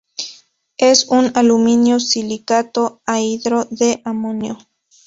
Es un alumino-silicato anhidro de amonio.